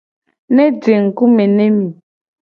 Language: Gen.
Ne je ngku me ne mi.